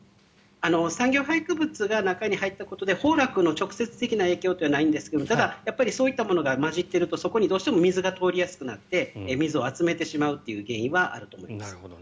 産業廃棄物が中に入ったことで崩落の直接的な影響はないんですがただ、そういったものが混じっているとそこにどうしても水が通りやすくなって水を集めやすくなるという原因はあると思います。